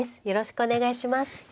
よろしくお願いします。